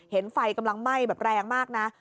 เห็นไฟกำลังไหม้แบบแรงมากนะ